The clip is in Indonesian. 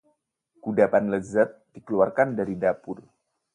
Kudapan lezat dikeluarkan dari dapur